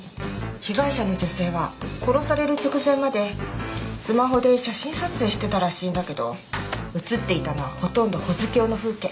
被害者の女性は殺される直前までスマホで写真撮影してたらしいんだけど写っていたのはほとんど保津峡の風景。